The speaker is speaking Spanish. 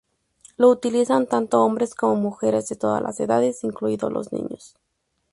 Lo utilizan tanto hombres como mujeres de todas las edades, incluidos los niños.